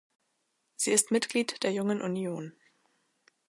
Sie ist Mitglied der Jungen Union.